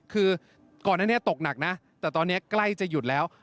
คือก่อนอันนี้ตกหนักนะแต่ตอนนี้ใกล้จะหยุดแล้ว